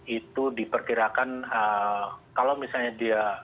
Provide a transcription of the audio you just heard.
itu diperkirakan kalau misalnya dia